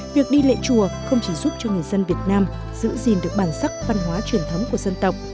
việc đi lễ chùa không chỉ giúp cho người dân việt nam giữ gìn được bản sắc văn hóa truyền thống của dân tộc